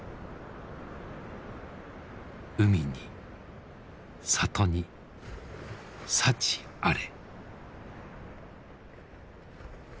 海に里に幸あれ。